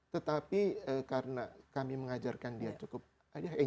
tetapi karena kami mengajarkan dia cukup